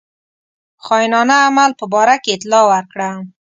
خاینانه عمل په باره کې اطلاع ورکړه.